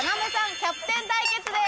キャプテン対決です。